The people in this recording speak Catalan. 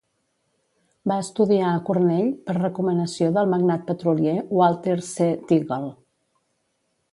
Va estudiar a Cornell per recomanació del magnat petrolier Walter C. Teagle.